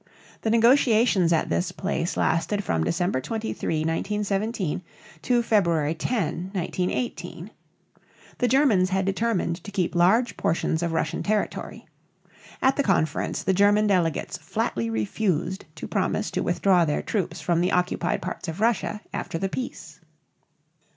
The negotiations at this place lasted from December 23, 1917, to February 10, 1918. The Germans had determined to keep large portions of Russian territory. At the conference the German delegates flatly refused to promise to withdraw their troops from the occupied parts of Russia after the peace.